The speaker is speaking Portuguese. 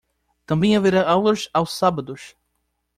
Também haverá aulas aos sábados.